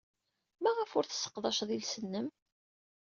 Maɣef ur tesseqdaceḍ iles-nnem?